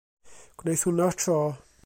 Gwneith hwnna'r tro.